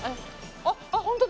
あっあっホントだ！